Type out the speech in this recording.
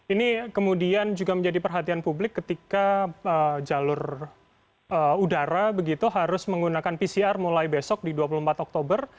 ini kemudian juga menjadi perhatian publik ketika jalur udara begitu harus menggunakan pcr mulai besok di dua puluh empat oktober